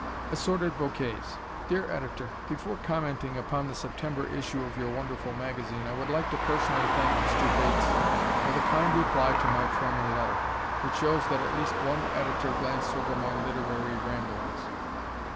Assorted Bouquets Dear Editor: Before commenting upon the September issue of your wonderful magazine, I would like to personally thank Mr. Bates for the kind reply to my former letter. It shows that at least one editor glanced over my literary ramblings.